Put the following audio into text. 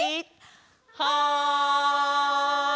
はい！